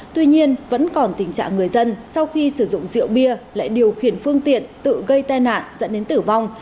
tuy nhiên vẫn còn tình trạng người dân sau khi sử dụng rượu bia lại điều khiển phương tiện tự gây tai nạn dẫn đến tử vong